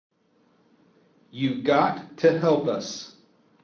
You got to help us.